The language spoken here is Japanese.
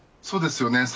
そうですね。